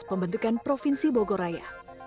pembentukan provinsi bogoraya